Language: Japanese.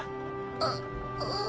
あっあぁ。